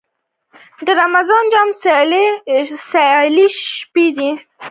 د رمضان جام سیالۍ د شپې کیږي.